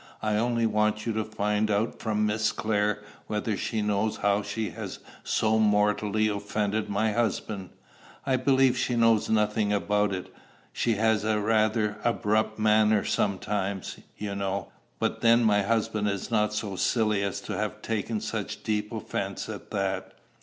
I only want you to find out from Miss Clare whether she knows how she has so mortally offended my husband. I believe she knows nothing about it. She has a rather abrupt manner sometimes, you know; but then my husband is not so silly as to have taken such deep offence at that.